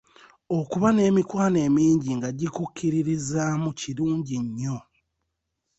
Okuba n'emikwano emingi nga gikukkiririzaamu kirungi nnyo.